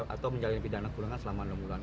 atau menjalani pidana kurungan selama enam bulan